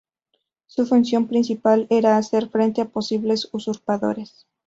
Su función principal era hacer frente a posibles usurpadores.